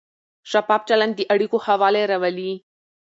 شفاف چلند د اړیکو ښه والی راولي.